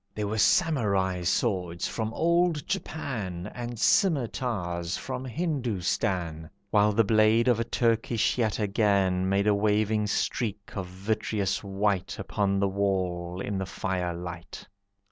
There were Samurai swords from old Japan, And scimitars from Hindoostan, While the blade of a Turkish yataghan Made a waving streak of vitreous white Upon the wall, in the firelight.